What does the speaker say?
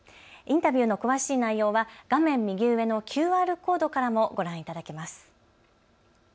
インタビューの詳しい内容は画面右上のＱＲコードからもご覧いただけます。